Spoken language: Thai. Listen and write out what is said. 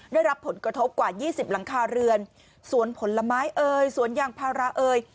ได้รับผลกระทบกว่ายี่สิบหลังคาเรือนสวนผลไม้เอ่ยสวนยางพาราเอย